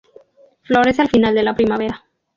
Florece al final de la primavera.